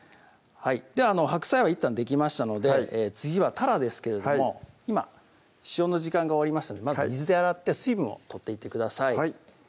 白菜はいったんできましたので次はたらですけれども今塩の時間が終わりましたのでまず水で洗って水分を取っていってください